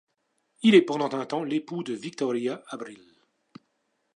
Il est pendant un temps l'époux de Victoria Abril.